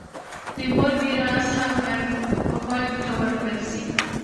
د مور میراث هم باید و خویندو ته ورکړل سي.